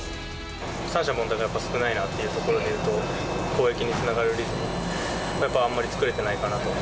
三者凡退が少ないなというところでいうと、攻撃につながるリズムをなんかあんまり作れてないかなと。